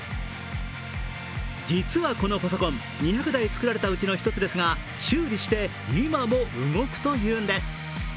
実はこのパソコン２００台作られたうちの１つですが修理して、今も動くというんです。